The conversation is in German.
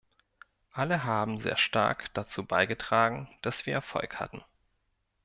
Alle haben sehr stark dazu beigetragen, dass wir Erfolg hatten.